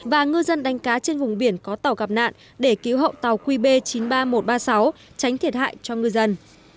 và ngư dân đánh cá trên vùng biển có tàu gặp nạn để cứu hậu tàu qb chín mươi ba nghìn một trăm ba mươi sáu tránh thiệt hại cho ngư dân